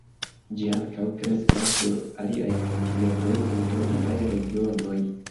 Ĝi ankaŭ kreskas sur aliaj kontinentoj kun tropikaj regionoj.